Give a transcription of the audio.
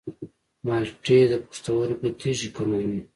مالټې د پښتورګو تیږې کموي.